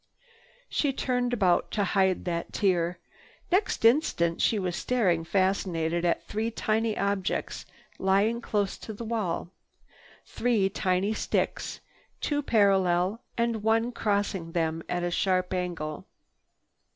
She turned about to hide that tear. Next instant she was staring fascinated at three tiny objects lying close to the wall, three tiny sticks, two parallel and one crossing them at a sharp angle.